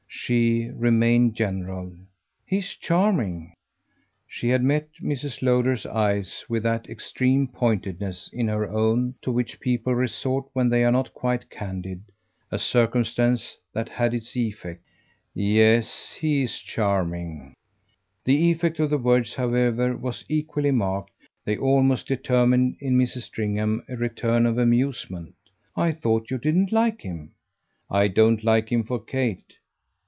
So she remained general. "He's charming." She had met Mrs. Lowder's eyes with that extreme pointedness in her own to which people resort when they are not quite candid a circumstance that had its effect. "Yes; he's charming." The effect of the words, however, was equally marked; they almost determined in Mrs. Stringham a return of amusement. "I thought you didn't like him!" "I don't like him for Kate."